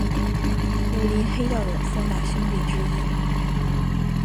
武林黑道的三大凶地之一。